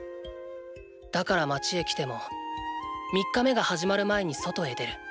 だから街へ来ても３日目が始まる前に外へ出る。